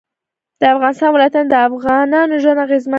د افغانستان ولايتونه د افغانانو ژوند اغېزمن کوي.